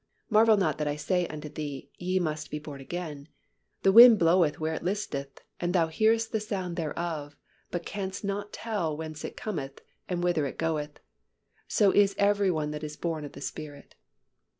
Marvel not that I said unto thee, Ye must be born again. The wind bloweth where it listeth, and thou hearest the sound thereof, but canst not tell whence it cometh, and whither it goeth: so is every one that is born of the Spirit."